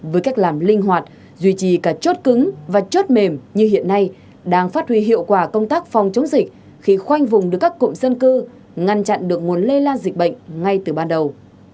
với cách làm linh hoạt duy trì cả chốt cứng và chốt mềm như hiện nay đang phát huy hiệu quả công tác phòng chống dịch khi khoanh vùng được các cụm dân cư ngăn chặn được nguồn lây lan dịch bệnh ngay từ ban đầu